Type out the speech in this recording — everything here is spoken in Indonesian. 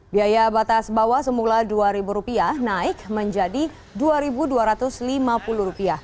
biaya batas bawah semula rp dua naik menjadi rp dua dua ratus lima puluh